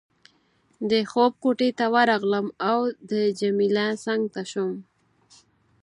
د خوب کوټې ته ورغلم او د جميله څنګ ته شوم.